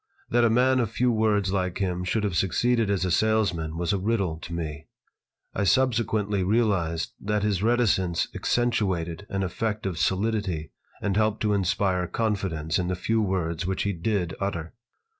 That a man of few words like him should have succeeded as a salesman was a riddle to me. I subsequently realized that his reticence accentuated an effect of solidity and helped to inspire confidence in the few words which he did utter.